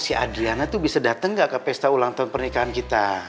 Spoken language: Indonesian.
si adriana itu bisa datang nggak ke pesta ulang tahun pernikahan kita